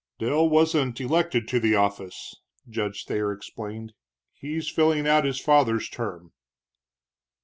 "Dell wasn't elected to the office," Judge Thayer explained. "He's filling out his father's term."